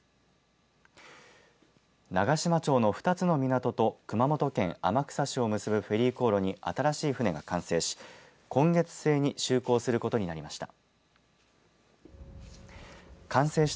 長島町の２つの港と熊本県天草市を結ぶフェリー航路に新しい船が完成し今月末に就航することになりました。